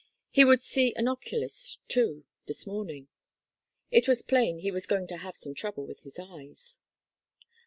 He would see an oculist, too, this morning. It was plain he was going to have some trouble with his eyes.